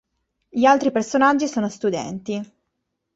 Gli altri personaggi sono studenti.